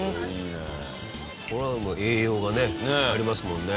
これはもう栄養がありますもんね。